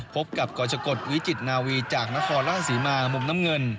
พบกับกรชกฎวิจิตนาวีจากนครราชศรีมามุมน้ำเงิน